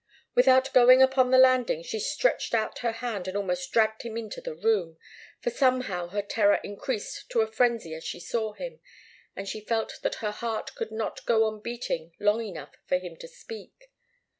Without going upon the landing, she stretched out her hand and almost dragged him into the room, for somehow her terror increased to a frenzy as she saw him, and she felt that her heart could not go on beating long enough for him to speak.